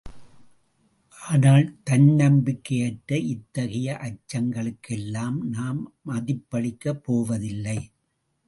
ஆனால் தன்னம்பிக்கையற்ற இத்தகைய அச்சங்களுக்கெல்லாம் நாம் மதிப்பளிக்கப் போவதில்லை.